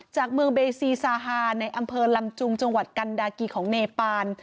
จากเมืองเบซีซาฮาในอำเภอลำจุงจังหวัดกันดากีของเนปาน